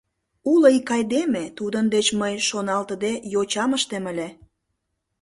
— Уло ик айдеме, тудын деч мый, шоналтыде, йочам ыштем ыле.